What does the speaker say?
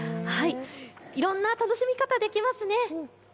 いろんな楽しみ方ができますね。